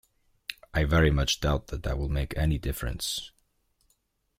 I very much doubt that that will make any difference.